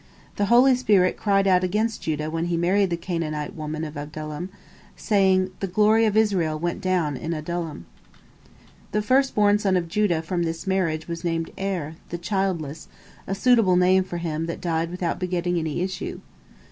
The holy spirit cried out against Judah when he married the Canaanite woman of Adullam, saying, "The glory of Israel went down in Adullam." The first born son of Judah from this marriage was named Er, "the childless," a suitable name for him that died without begetting any issue.